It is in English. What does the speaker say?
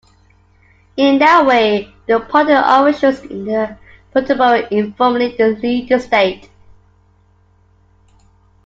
In that way, the party officials in the Politburo informally lead the state.